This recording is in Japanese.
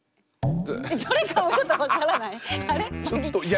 どれかちょっとわからない。